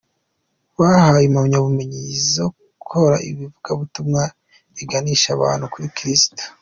Bahawe impamyabumenyi zo gukora ivugabutumwa riganisha abantu kuri Kirisitu.